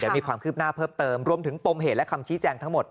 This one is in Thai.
มีความคืบหน้าเพิ่มเติมรวมถึงปมเหตุและคำชี้แจงทั้งหมด